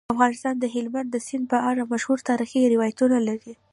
افغانستان د هلمند سیند په اړه مشهور تاریخی روایتونه لري.